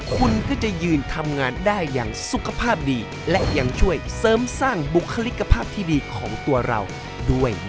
คุณก็จะยืนทำงานได้อย่างสุขภาพดีและยังช่วยเสริมสร้างบุคลิกภาพที่ดีของตัวเราด้วย